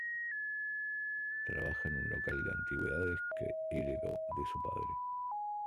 Trabaja en un local de antigüedades que heredó de su padre.